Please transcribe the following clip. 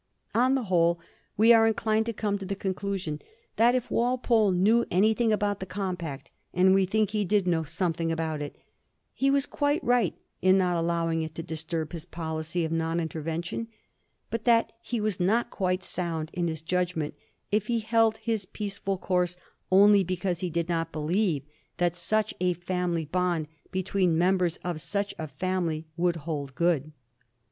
On the whole, we are in clined to come to the conclusion that if Walpole knew anything about the compact — ^and we think he did know something about it — ^he was quite right in not allowing it to disturb his policy of non intervention, but that he was not quite sound in his judgment if he held his peaceful course only because he did not believe that such a family bond between members of such a family would hold good.